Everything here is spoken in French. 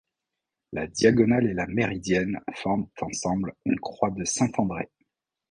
La Diagonale et la Méridienne forment ensemble une croix de saint André.